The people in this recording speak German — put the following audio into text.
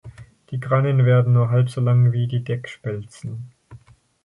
Die Grannen werden nur halb so lang wie die Deckspelzen.